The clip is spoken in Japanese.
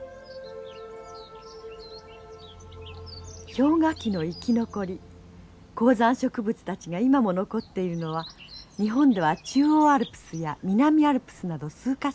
氷河期の生き残り高山植物たちが今も残っているのは日本では中央アルプスや南アルプスなど数か所あります。